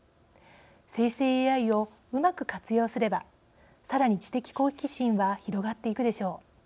生成ＡＩをうまく活用すればさらに知的好奇心は広がっていくでしょう。